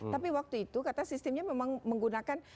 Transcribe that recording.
tapi waktu itu kata sistemnya memang menggunakan